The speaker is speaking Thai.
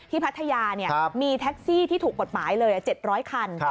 พัทยามีแท็กซี่ที่ถูกกฎหมายเลย๗๐๐คัน